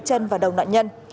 chân và đầu nạn nhân